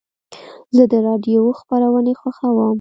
زه د راډیو خپرونې خوښوم.